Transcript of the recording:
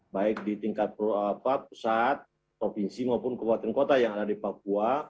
baik di tingkat pusat provinsi maupun kekuatan kota yang ada di papua